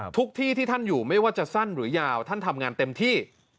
ทุกที่ที่ท่านอยู่ไม่ว่าจะสั้นหรือยาวท่านทำงานเต็มที่